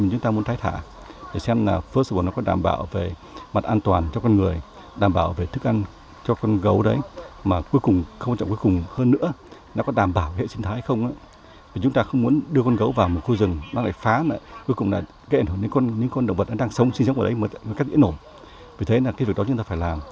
vì thế là cái việc đó chúng ta phải làm